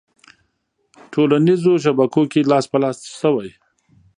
ه ټولنیزو شبکو کې لاس په لاس شوې